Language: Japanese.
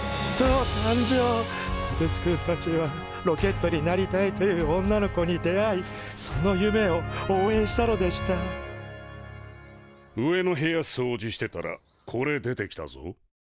こてつくんたちはロケットになりたいという女の子に出会いその夢をおうえんしたのでした上の部屋そうじしてたらこれ出てきたぞ。